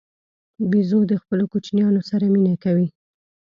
بیزو د خپلو کوچنیانو سره مینه کوي.